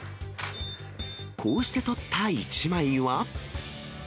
こうして撮った一枚は。